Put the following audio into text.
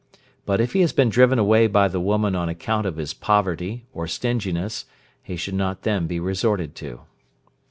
But if he has been driven away by the woman on account of his poverty, or stinginess, he should not then be resorted to.